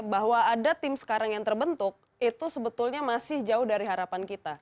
bahwa ada tim sekarang yang terbentuk itu sebetulnya masih jauh dari harapan kita